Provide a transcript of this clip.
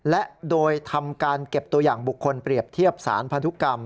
และโดยทำการเก็บตัวอย่างบุคคลเปรียบเทียบสารพันธุกรรม